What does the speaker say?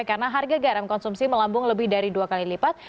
karena harga garam konsumsi melambung lebih dari dua kali lipat